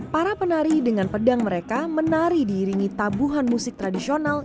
para penari dengan pedang mereka menari diiringi tabuhan musik tradisional